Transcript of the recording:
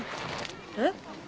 えっ？